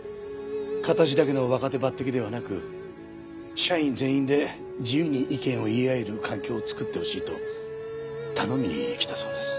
形だけの若手抜擢ではなく社員全員で自由に意見を言い合える環境を作ってほしいと頼みに来たそうです。